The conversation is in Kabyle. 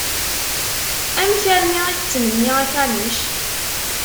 Amek armi i d-tettmenni akanic?